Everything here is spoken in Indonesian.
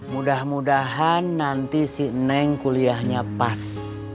mudah mudahan nanti si neng kuliahnya pas